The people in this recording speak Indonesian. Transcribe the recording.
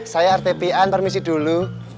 saya rt pian permisi dulu